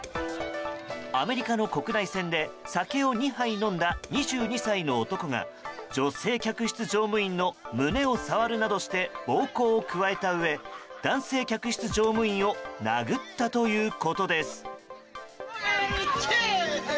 アメリカの国内線で酒を２杯飲んだ２２歳の男が女性客室乗務員の胸を触るなどして暴行を加えたうえ男性客室乗務員を殴ったということです。